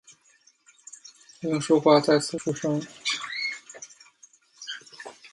凌叔华在此出生。